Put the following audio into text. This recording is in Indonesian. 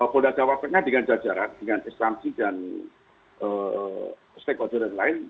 pula jawabannya dengan jajaran dengan eskansi dan stekotron dan lain